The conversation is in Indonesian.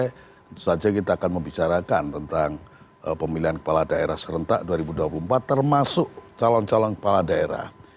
tentu saja kita akan membicarakan tentang pemilihan kepala daerah serentak dua ribu dua puluh empat termasuk calon calon kepala daerah